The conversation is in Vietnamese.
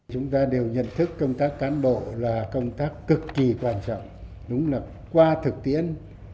chúng ta đều nhận thức công tác cán bộ là công tác cực kỳ quan trọng đúng là qua thực tiễn